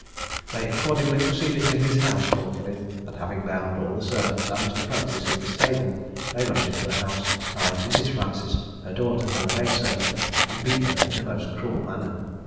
They accordingly proceeded to his house forthwith, and having bound all the servants and Mr. Francis in the stable, they rushed into the house, tied Mrs. Francis, her daughter, and the maid servant, and beat them in a most cruel manner.